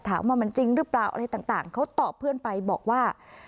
ถามว่ามันจริงหรือเปล่าอะไรต่างเขาตอบเพื่อนไปบอกว่า